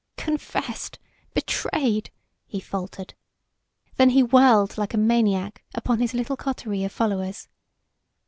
"Confessed! Betrayed!" he faltered. Then he whirled like a maniac upon his little coterie of followers.